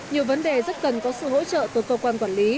nhiều vấn đề rất cần có sự hỗ trợ từ cơ quan quản lý